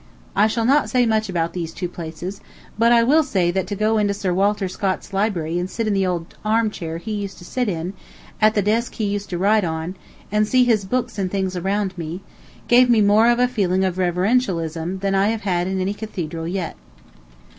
I shall not say much about these two places, but I will say that to go into Sir Walter Scott's library and sit in the old armchair he used to sit in, at the desk he used to write on, and see his books and things around me, gave me more a feeling of reverentialism than I have had in any cathedral yet.